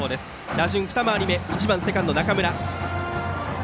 打順は二回り目１番セカンド、中村。